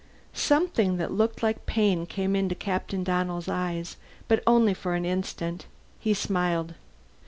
Something that looked like pain came into Captain Donnell's eyes, but only for an instant. He smiled.